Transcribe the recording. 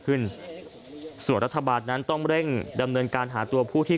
ขึ้นส่วนรัฐบาลนั้นต้องเร่งดำเนินการหาตัวผู้ที่